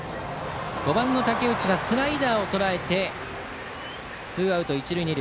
５番の武内がスライダーをとらえて一塁二塁。